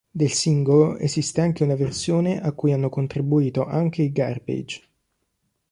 Del singolo esiste anche una versione a cui hanno contribuito anche i Garbage.